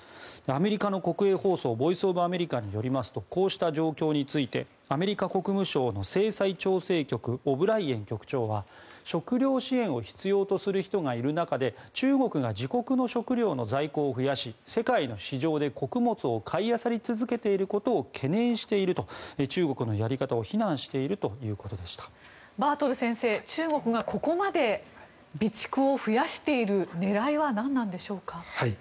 アメリカの国営放送ボイス・オブ・アメリカによりますとこうした状況についてアメリカ国務省の制裁調整局オブライエン局長は食料支援を必要とする人がいる中で中国が自国の食料在庫を増やし世界の市場で穀物を買いあさり続けていることを懸念していると中国のやり方をバートル先生、中国がここまで備蓄を増やしている狙いはなんなのでしょうか。